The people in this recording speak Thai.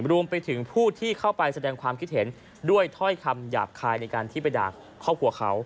รวมไปถึงผู้ที่เข้าไปแสดงความคิดเห็นด้วยถ้อยคำหยาบคายในการที่ไปด่าครอบครัวเขา